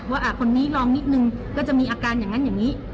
ว่าคนนี้ลองนิดนึงก็จะมีอาการอย่างนั้นอย่างนี้